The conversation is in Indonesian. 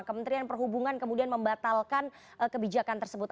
kementerian perhubungan kemudian membatalkan kebijakan tersebut